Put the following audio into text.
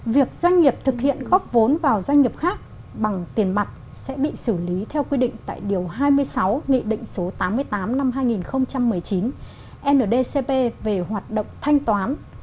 việc doanh nghiệp thực hiện góp vốn vào doanh nghiệp khác bằng tiền mặt sẽ bị xử lý theo quy định tại điều hai mươi sáu nghị định số tám mươi tám năm hai nghìn một mươi chín ndcp về hoạt động thanh toán